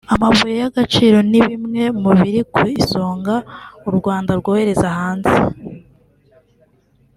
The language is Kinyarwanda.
amabuye y’agaciro ni bimwe mu biri ku isonga u Rwanda rwohereza hanze